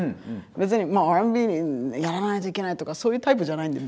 別にＲ＆Ｂやらないといけないとかそういうタイプじゃないんで。